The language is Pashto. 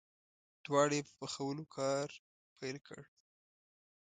دواړو یې په پخولو کار پیل کړ.